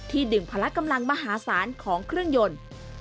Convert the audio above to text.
ดึงพละกำลังมหาศาลของเครื่องยนต์